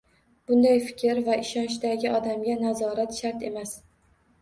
Bunday fikr va ishonchdagi insonga nazorat shart emas.